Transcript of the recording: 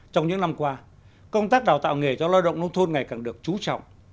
trong những năm qua công tác đào tạo nghề cho lao động nông thôn ngày càng được trú trọng